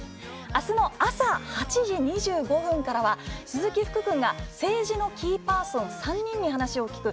あすの朝８時２５分からは鈴木福君が政治のキーパーソン３人に話を聞く